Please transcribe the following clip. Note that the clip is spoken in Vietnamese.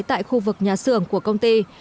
tại khu vực nhà xưởng của công ty